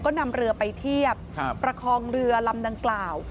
ก็นำเรือไปเทียบประคองเรือลำดังกล่าว